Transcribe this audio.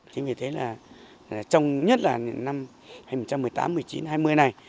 thế vì thế là trong nhất là năm hai nghìn một mươi tám hai nghìn một mươi chín hai nghìn hai mươi này